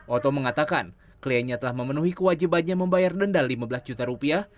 oto mengatakan kliennya telah memenuhi kewajibannya membayar denda lima belas juta rupiah